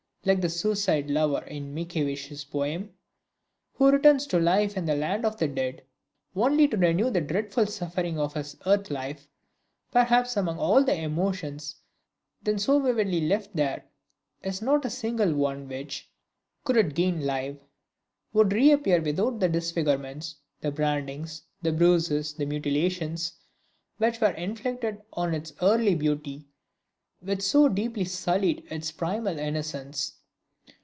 Like the suicide lover in Mickiewicz's poem, who returns to life in the land of the Dead only to renew the dreadful suffering of his earth life, perhaps among all the emotions then so vividly felt there is not a single one which, could it again live, would reappear without the disfigurements, the brandings, the bruises, the mutilations, which were inflicted on its early beauty, which so deeply sullied its primal innocence!